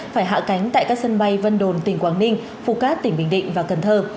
phải hạ cánh tại các sân bay vân đồn tỉnh quảng ninh phù cát tỉnh bình định và cần thơ